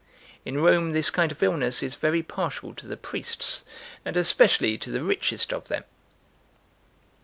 In Rome this kind of illness is very partial to the priests, and especially to the richest of them.